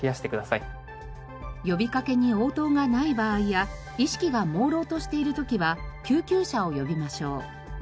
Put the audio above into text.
呼びかけに応答がない場合や意識がもうろうとしている時は救急車を呼びましょう。